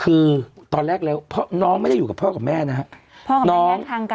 คือตอนแรกแล้วเพราะน้องไม่ได้อยู่กับพ่อกับแม่นะฮะพ่อกับแม่ทางการ